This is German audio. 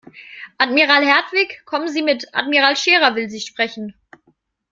Admiral Hertwig, kommen Sie mit, Admiral Scherer will Sie sprechen.